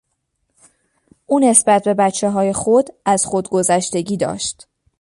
او نسبت به بچههای خود از خودگذشتگی داشت.